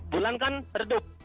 bulan kan redup